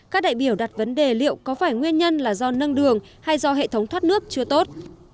các đại biểu đặt vấn đề liệu có phải nguyên nhân là do nâng đường hay do hệ thống thoát nước chưa tốt